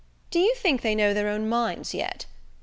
Do you think they know their own minds yet?